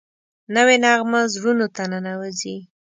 نوې نغمه زړونو ته ننوځي